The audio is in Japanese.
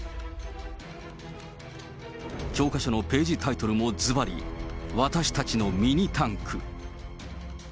教科書のページタイトルもずばり、私たちのミニタンク。